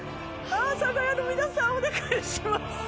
阿佐谷の皆さんお願いします。